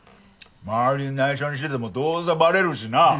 周りに内緒にしててもどうせバレるしな。